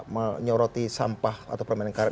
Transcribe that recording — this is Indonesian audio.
menyoroti sampah atau permen karet